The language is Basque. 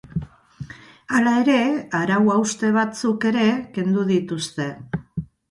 Hala ere, arau-hauste batzuk ere kendu dituzte.